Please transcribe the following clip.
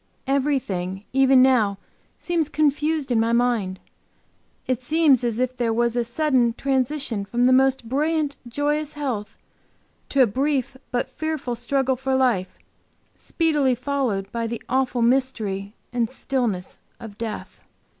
Everything, even now, seems confused in my mind. It seems as if there was a sudden transition from the most brilliant, joyous health, to a brief but fearful struggle for life, speedily followed by the awful mystery and stillness of death.